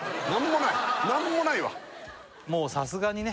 もうさすがにね